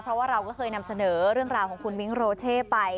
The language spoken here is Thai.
เพราะว่าเราก็เคยนำเสนอเรื่องราวของคุณมิ้งโรเช่ไป